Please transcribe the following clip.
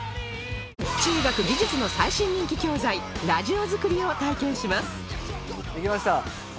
中学技術の最新人気教材ラジオ作りを体験します